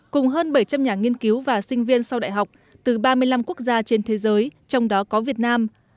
cùng hơn bảy trăm linh nhà nghiên cứu và sinh viên sau đại học từ ba mươi năm quốc gia trên thế giới trong đó có việt nam